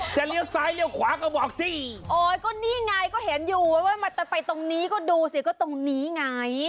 เลี้ยวซ้ายเลี้ยวขวาก็บอกสิโอ้ยก็นี่ไงก็เห็นอยู่ว่ามันจะไปตรงนี้ก็ดูสิก็ตรงนี้ไง